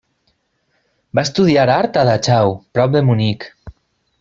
Va estudiar art a Dachau, prop de Munic.